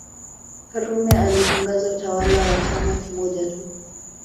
Karume alitangaza utawala wa chama kimoja tu